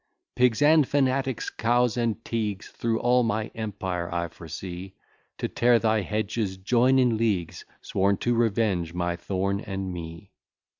"Pigs and fanatics, cows and teagues, Through all my empire I foresee, To tear thy hedges join in leagues, Sworn to revenge my thorn and me.